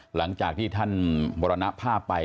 หลังจากที่ท่านมรณภาพไป